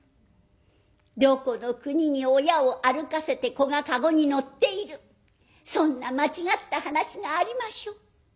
どこの国に親を歩かせて子が駕籠に乗っているそんな間違った話がありましょう。